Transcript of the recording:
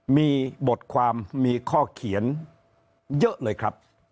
มีบทความมีข้อเขียนเยอะเลยครับ